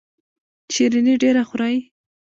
شیریني ډیره خورئ؟